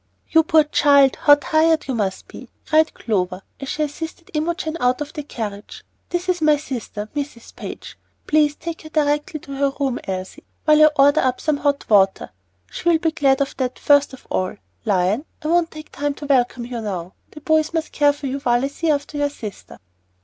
"You poor child, how tired you must be!" cried Clover, as she assisted Imogen out of the carriage. "This is my sister, Mrs. Page. Please take her directly to her room, Elsie, while I order up some hot water. She'll be glad of that first of all. Lion, I won't take time to welcome you now. The boys must care for you while I see after your sister."